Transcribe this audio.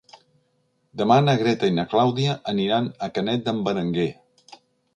Demà na Greta i na Clàudia aniran a Canet d'en Berenguer.